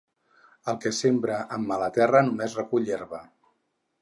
El que sembra en mala terra només recull herba.